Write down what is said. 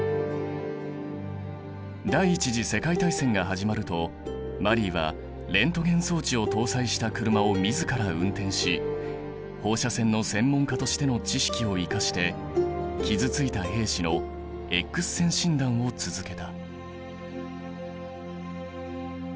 第一次世界大戦が始まるとマリーはレントゲン装置を搭載した車を自ら運転し放射線の専門家としての知識を生かして傷ついた兵士のエックス線診断を続けた。